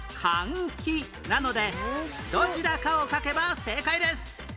なのでどちらかを書けば正解です